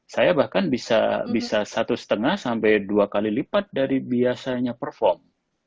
saya bahkan bisa satu lima sampai dua kali lipat dari biasanya perform